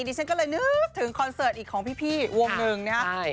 นี่ฉันก็เลยนึ๊บถึงคอนเสิร์ตของพี่วงหนึ่งเนี่ยครับ